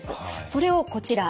それをこちら。